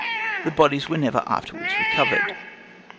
The bodies were never afterwards recovered.